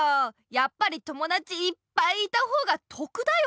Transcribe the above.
やっぱり友だちいっぱいいたほうが得だよ。